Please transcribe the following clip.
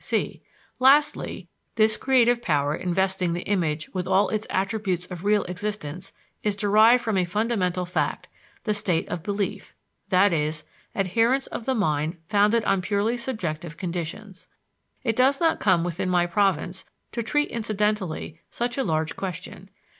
c. Lastly, this creative power investing the image with all its attributes of real existence is derived from a fundamental fact the state of belief, i.e., adherence of the mind founded on purely subjective conditions. It does not come within my province to treat incidentally such a large question.